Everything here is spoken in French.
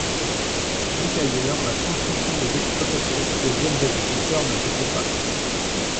Plus qu'ailleurs la transmission des exploitations aux jeunes agriculteurs ne se fait pas.